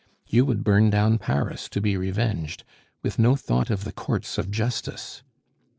You would burn down Paris to be revenged, with no thought of the courts of justice!